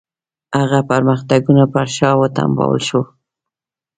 هغه پرمختګونه پر شا وتمبول شول.